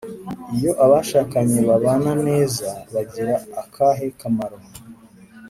Iyo abashakanye babana neza bigira akahe kamaro